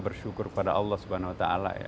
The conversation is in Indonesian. bersyukur pada allah swt